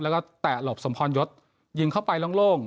แล้วก็แตะหลบสมพรยศยิงเข้าไปโล่ง